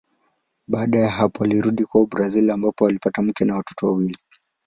Baada ya hapo alirudi kwao Brazili ambapo alipata mke na watoto wawili.